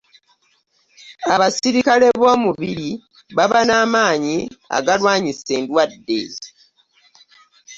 Abasirikale bomubiri baba n'amaanyi agalwanyisa endwadde.